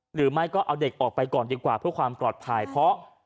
หรือไม่ก็เอาเด็กออกไปก่อนดีกว่าเพื่อความปลอดภัยเพราะ